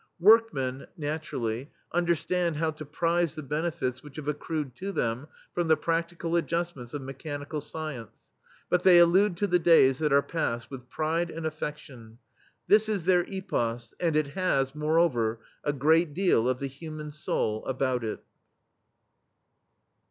Workmen, naturally, understand how to prize the benefits which have accrued to them from the pra<%ical adjustments of mechanical science, but they allude to the days that are past with pride and afFeftion. This is their epos, and it has, moreover, a great deal of the "human soul" about it.